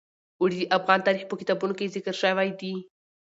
اوړي د افغان تاریخ په کتابونو کې ذکر شوی دي.